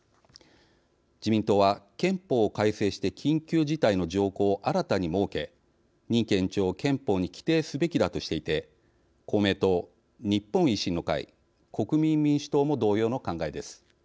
自民党は、憲法を改正して緊急事態の条項を新たに設け任期延長を憲法に規定すべきだとしていて公明党、日本維新の会国民民主党も同様の考えです。